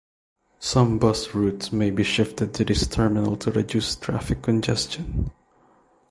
Some bus routes may be shifted to this terminal to reduce traffic congestion.